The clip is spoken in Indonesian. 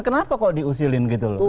kenapa kalau diusilin gitu loh